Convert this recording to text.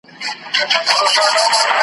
ستا په نوم به معبدونه ابادېږي .